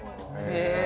へえ。